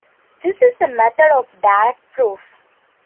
This is a method of direct proof.